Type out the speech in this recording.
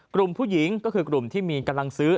กลุ่มผู้หญิงก็คือกลุ่มที่มีกำลังซื้อ